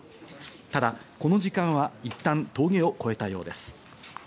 ただ、この時間はいったん峠を越えたようです。